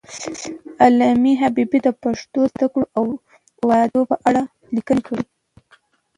علامه حبیبي د پښتو د زوکړې او ودې په اړه لیکنې کړي دي.